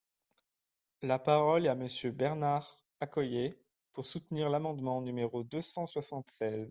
La parole est à Monsieur Bernard Accoyer, pour soutenir l’amendement numéro deux cent soixante-seize.